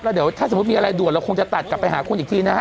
เดี๋ยวถ้าสมมุติมีอะไรด่วนเราคงจะตัดกลับไปหาคุณอีกทีนะฮะ